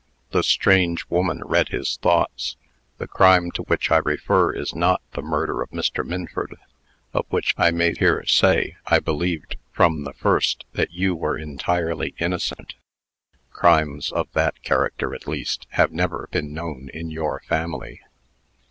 The strange woman read his thoughts. "The crime to which I refer is not the murder of Mr. Minford; of which, I may here say, I believed, from the first, that you were entirely innocent. Crimes of that character, at least have never been known in your family."